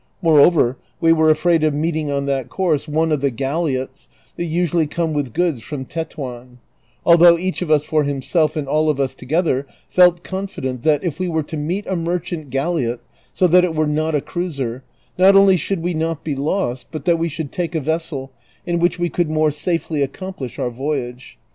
Moreover we were afraid of meeting on that course one of the galliots that usually come with goods from Tetuan ; although each of us for himself and all of us together felt confident that, if we were to meet a merchant galliiit, so that it Avere not a cruiser, not only should we not be lost, but that we should take a vessel in which we could more safely ac complish our voyage.